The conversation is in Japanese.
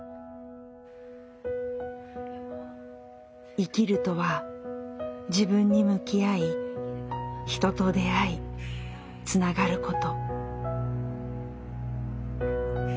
生きるとは自分に向き合い人と出会いつながること。